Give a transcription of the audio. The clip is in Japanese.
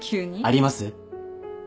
あります？